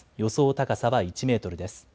高さは１メートルです。